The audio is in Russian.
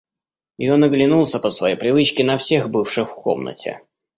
И он оглянулся по своей привычке на всех бывших в комнате.